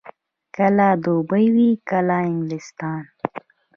کله دوبۍ وي، کله انګلستان.